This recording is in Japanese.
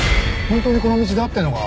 「本当にこの道で合ってるのか？」